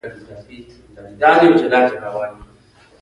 د بولیویا او پیرو په پرتله لږ شمېر ژوند کوي.